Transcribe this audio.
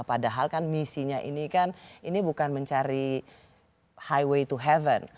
padahal kan misinya ini kan ini bukan mencari highway to heaven